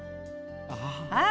ああ。